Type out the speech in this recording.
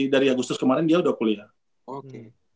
dari agustus kemarin dia udah kuliah